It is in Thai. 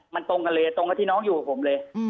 มันตรงกันเลยตรงกับที่น้องอยู่กับผมเลย